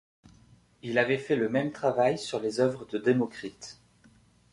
Il avait fait le même travail sur les œuvres de Démocrite.